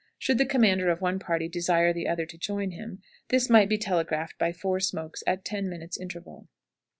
Should the commander of one party desire the other to join him, this might be telegraphed by four smokes at ten minutes' interval.